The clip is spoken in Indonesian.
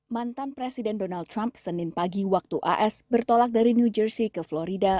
mantan presiden donald trump senin pagi waktu as bertolak dari new jersey ke florida